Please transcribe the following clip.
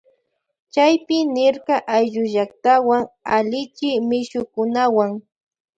Chaypi nirka ayllullaktawan allichi mishukunawuan.